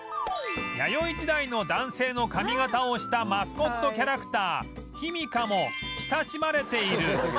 弥生時代の男性の髪形をしたマスコットキャラクターひみかも親しまれている